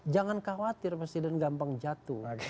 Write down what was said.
jangan khawatir presiden gampang jatuh